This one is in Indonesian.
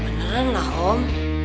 beneran lah om